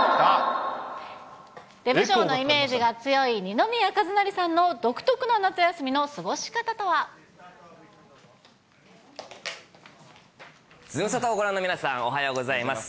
出無精のイメージが強い二宮和也さんの独特な夏休みの過ごし方とズムサタをご覧の皆さんおはようございます。